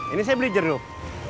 ini saya beli jeruk